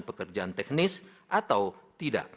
pekerjaan teknis atau tidak